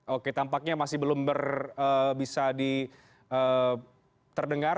oke tampaknya masih belum bisa terdengar